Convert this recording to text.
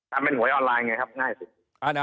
มันเป็นหวยออนไลน์ไงครับง่ายสุด